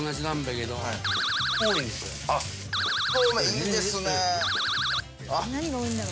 いいですね。